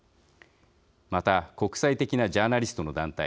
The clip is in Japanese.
また国際的なジャーナリストの団体